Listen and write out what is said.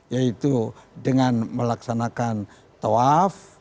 yaitu dengan melaksanakan tawaf